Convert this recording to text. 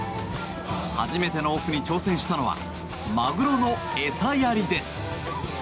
初めてのオフに挑戦したのはマグロの餌やりです。